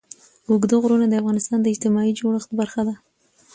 اوږده غرونه د افغانستان د اجتماعي جوړښت برخه ده.